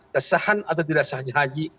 kesahan atau tidak sahnya haji